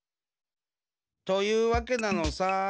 というわけなのさ。